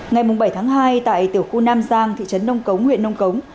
ngày bảy tháng hai tại tiểu khu nam giang thị trấn nông cống huyện nông cống